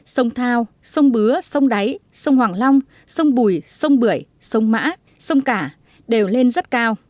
sông thao sông bứa sông đáy sông hoàng long sông bùi sông bưởi sông mã sông cả đều lên rất cao